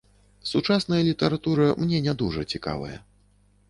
Сучасная літаратура мне не дужа цікавая.